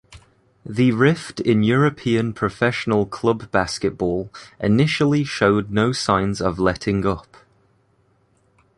The rift in European professional club basketball initially showed no signs of letting up.